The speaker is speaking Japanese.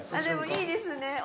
でもいいですね。